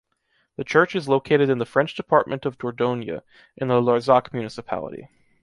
The church is located in the french department of Dordogne, in the Larzac municipality.